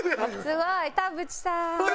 すごい。田渕さーん！